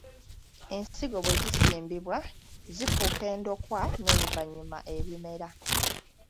Ensigo bwe zisimbibwa, zifuuka endokwa n'oluvannyuma ebimera.